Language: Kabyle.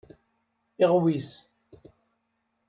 Iɣwis.